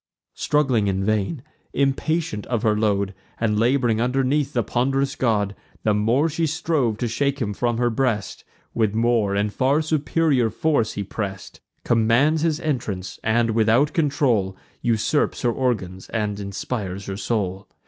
Struggling in vain, impatient of her load, And lab'ring underneath the pond'rous god, The more she strove to shake him from her breast, With more and far superior force he press'd; Commands his entrance, and, without control, Usurps her organs and inspires her soul.